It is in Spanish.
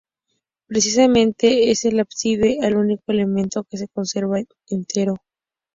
Precisamente es el ábside el único elemento que se conserva entero.